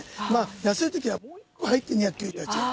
安いときはもっと入って２９８円。